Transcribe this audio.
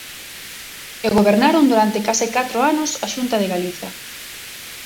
E gobernaron durante case catro anos a Xunta de Galicia.